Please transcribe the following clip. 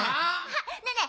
ねえねえ